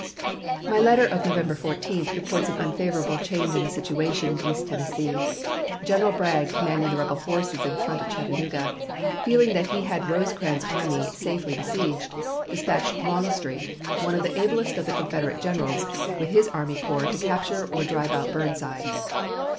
My letter of November 14 reports an unfavorable change in the situation in East Tennessee. General Bragg commanding the rebel forces in front of Chattanooga, feeling that he had Rosecrans's army safely besieged, dispatched Longstreet, one of the ablest of the Confederate generals, with his army corps to capture or drive out Burnside.